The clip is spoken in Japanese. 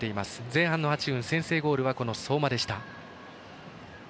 前半の８分、先制ゴールはこの相馬でした。